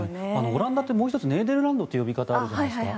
オランだって、もう１つネーデルランドっていう呼び方があるじゃないですか。